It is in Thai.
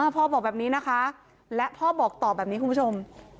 บอกแบบนี้นะคะและพ่อบอกต่อแบบนี้คุณผู้ชม